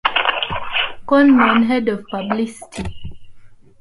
Concom, Head of Publicity.